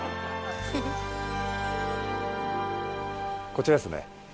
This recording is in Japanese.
こちらですね。